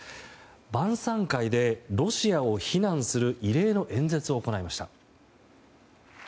晩さん会で、ロシアを非難する異例の演説を行いました。